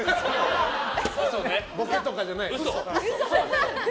ボケとかじゃなく。